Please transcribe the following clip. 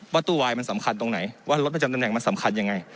ตู้วายมันสำคัญตรงไหนว่ารถประจำตำแหน่งมันสำคัญยังไง